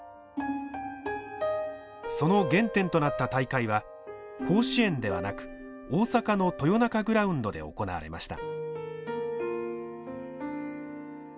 その原点となった大会は甲子園ではなく大阪の豊中グラウンドで行われました。